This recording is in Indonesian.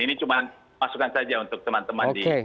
ini cuma masukan saja untuk teman teman di